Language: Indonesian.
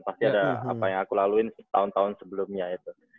pasti ada apa yang aku laluin tahun tahun sebelumnya itu